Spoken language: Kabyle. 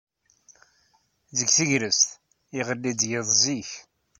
Deg tegrest, iɣelli-d yiḍ zik.